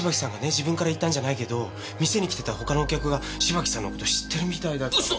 自分から言ったんじゃないけど店に来てた他のお客が芝木さんの事知ってるみたいだったの。